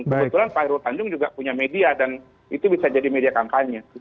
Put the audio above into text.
kebetulan pak heru tanjung juga punya media dan itu bisa jadi media kampanye